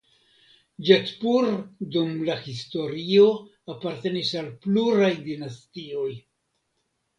Ĝetpur dum la historio apartenis al pluraj dinastioj.